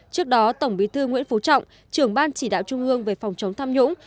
trước đó tổng bí thư nguyễn phú trọng trưởng ban chỉ đạo trung ương về phòng chống tham nhũng